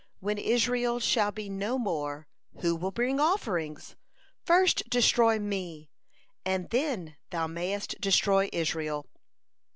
When Israel shall be no more, who will bring offerings? First destroy me, and then Thou mayest destroy Israel."